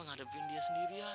ngadepin dia sendirian